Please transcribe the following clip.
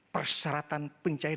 perseratan perusahaan desa